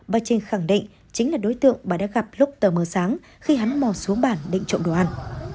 bà trinh khẳng định chính là đối tượng bà đã gặp lúc tờ mờ sáng khi hắn mò xuống bản định trộm đồ ăn